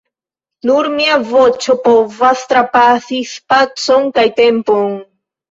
Nur mia voĉo povas trapasi spacon kaj tempon